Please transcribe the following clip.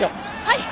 はい！